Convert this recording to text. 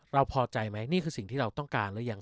พอใจไหมนี่คือสิ่งที่เราต้องการหรือยัง